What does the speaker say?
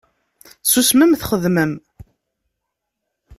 Ssusmem, txedmem.